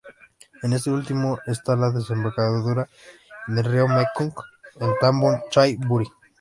En este último está la desembocadura en el río Mekong en "tambon" Chai Buri.